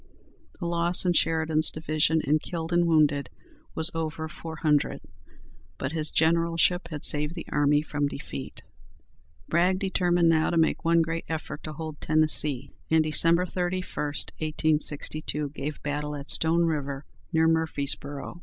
The loss in Sheridan's division in killed and wounded was over four hundred, but his generalship had saved the army from defeat." Bragg determined now to make one great effort to hold Tennessee, and Dec. 31, 1862, gave battle at Stone River, near Murfreesboro'.